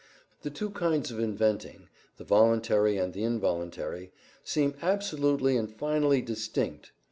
The two kinds of inventing, the voluntary and the involuntary, seem absolutely and finally distinct.